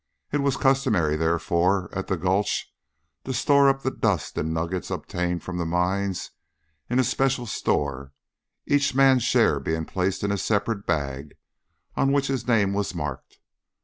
It was customary, therefore, at the Gulch, to store up the dust and nuggets obtained from the mines in a special store, each man's share being placed in a separate bag on which his name was marked.